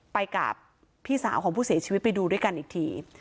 ไปกับพี่สาวของผู้เสียชีวิตไปดูด้วยกันอีกที